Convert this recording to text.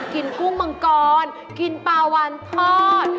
กุ้งมังกรกินปลาวันทอด